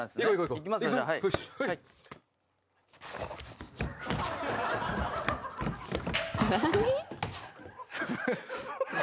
いきますね。